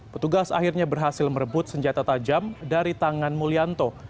petugas akhirnya berhasil merebut senjata tajam dari tangan mulyanto